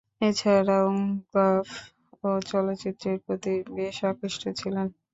এছাড়াও, গল্ফ ও চলচ্চিত্রের প্রতি বেশ আকৃষ্ট ছিলেন।